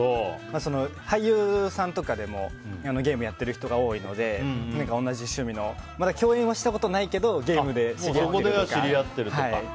俳優さんとかでもゲームやっている人が多いので同じ趣味のまだ共演はしたことないけどゲームで知り合ったりとか。